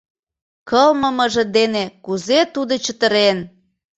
Кылмымыже дене кузе тудо чытырен!